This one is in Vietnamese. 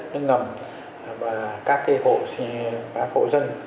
cái này chắc chủ yếu chuyển